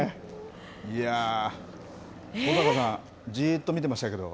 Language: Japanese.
小坂さん、じーっと見てましたけど。